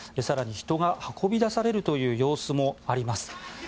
更に人が運び出されるという様子もあります。